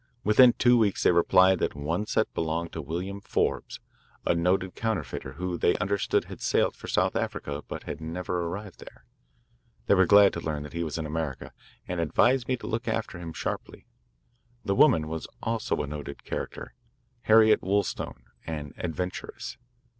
Within two weeks they replied that one set belonged to William Forbes, a noted counterfeiter, who, they understood, had sailed for South Africa but had never arrived there. They were glad to learn that he was in America, and advised me to look after him sharply. The woman was also a noted character Harriet Wollstone, an adventuress."